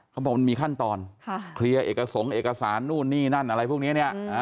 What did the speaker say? เขาบอกมันมีขั้นตอนเคลียร์เอกสงค์เอกสารนู่นนี่นั่นอะไรพวกนี้เนี่ย